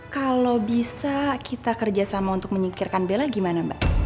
kalau bisa kita kerjasama untuk menyingkirkan bella gimana mbak